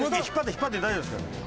引っ張って大丈夫ですよ。